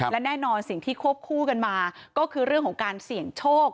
และแน่นอนสิ่งที่ควบคู่กันมาก็คือเรื่องของการเสี่ยงโชค